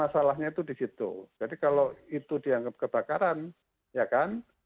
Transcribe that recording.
masalahnya itu di situ jadi kalau itu dianggap kebakaran ya kan